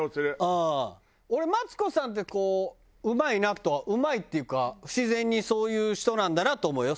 俺マツコさんってこううまいなとうまいっていうか自然にそういう人なんだなと思うよ。